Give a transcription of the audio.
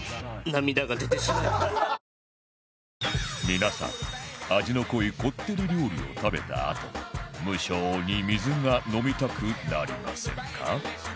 皆さん味の濃いこってり料理を食べたあと無性に水が飲みたくなりませんか？